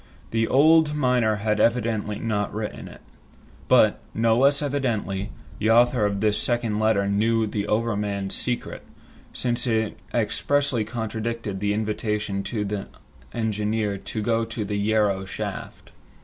The old miner had evidently not written it. But, no less evidently, the author of this second letter knew the overman's secret, since it expressly contradicted the invitation to the engineer to go to the Yarrow shaft.